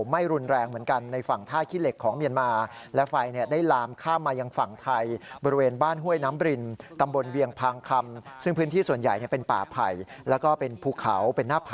ไม่รุนแรงเหมือนกันในฝั่งท่าขี้เหล็กของเมียนมา